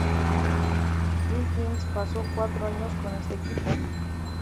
Wilkins pasó cuatro años con este equipo.